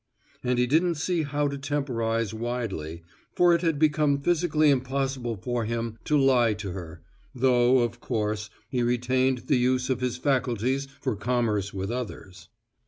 And he didn't see how to temporize widely, for it had become physically impossible for him to lie to her, though, of course, he retained the use of his faculties for commerce with others.